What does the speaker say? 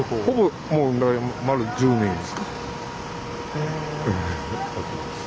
へえ。